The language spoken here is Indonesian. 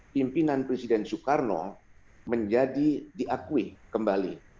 pimpinan presiden soekarno menjadi diakui kembali